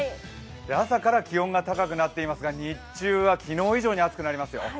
朝から気温が高くなっていますが日中は昨日以上に暑くなりますよ。